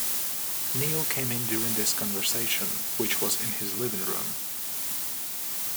Neil came in during this conversation, which was in his living room.